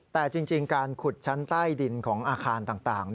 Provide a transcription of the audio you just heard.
แต่จริงการขุดชั้นใต้ดินของอาคารต่าง